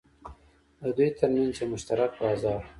د دوی ترمنځ یو مشترک بازار و.